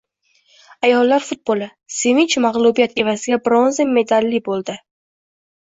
Ayollar futboli. «Sevinch» mag‘lubiyat «evaziga» bronza medalli bo‘lding